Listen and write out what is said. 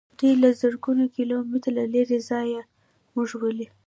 دوی له زرګونو کیلو مترو لیرې ځایه موږ ولي.